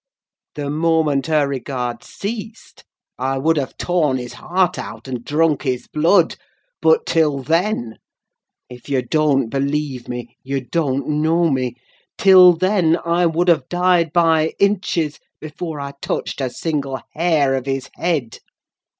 The moment her regard ceased, I would have torn his heart out, and drunk his blood! But, till then—if you don't believe me, you don't know me—till then, I would have died by inches before I touched a single hair of his head!"